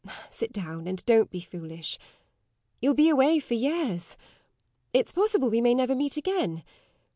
Sit down, and don't be foolish. You'll be away for years; it's possible we may never meet again.